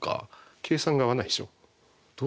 計算が合わないでしょ？